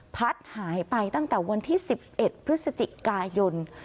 พัดหายไปตั้งแต่วันที่๑๑พฤศจิกายน